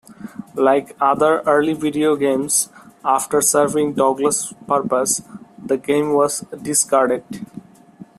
Like other early video games, after serving Douglas's purpose, the game was discarded.